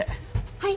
はい。